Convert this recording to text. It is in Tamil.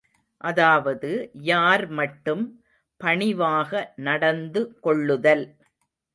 அதாவது யார் மட்டும் பணிவாக நடந்து கொள்ளுதல்.